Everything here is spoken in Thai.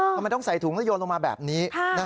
ทำไมต้องใส่ถุงแล้วโยนลงมาแบบนี้